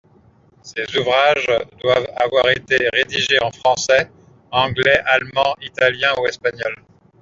Ces ouvrages doivent avoir été rédigés en français, anglais, allemand, italien ou espagnol.